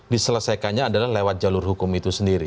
diselesaikannya adalah lewat jalur hukum itu sendiri